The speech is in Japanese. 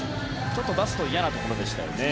ちょっと出すと嫌なところでしたよね。